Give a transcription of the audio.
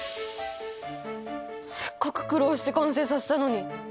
せっかく苦労して完成させたのに！